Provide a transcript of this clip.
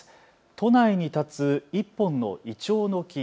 都内に立つ１本のイチョウの木。